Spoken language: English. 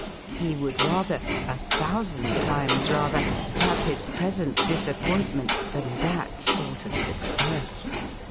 He would rather, a thousand times rather, have his present disappointment than that sort of success.